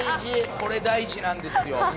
これ大事なんですよ